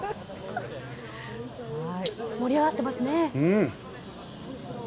盛り上がってますね。